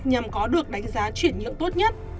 nhằm có được đánh giá chuyển nhượng tốt nhất